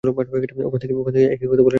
ওখান থেকেই কথা বলেন আমাদের সাথে!